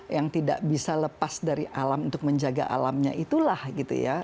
yang tidak bisa lepas dari alam untuk menjaga alamnya itulah gitu ya